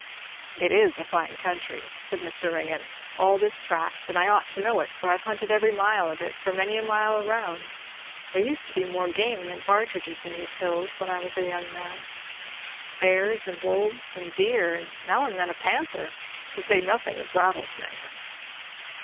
"It is a fine country," said Mr. Ringgan, "all this tract; and I ought to know it, for I have hunted every mile of it for many a mile around. There used to be more game than partridges in these hills when I was a young man; bears and wolves, and deer, and now and then a panther, to say nothing of rattlesnakes."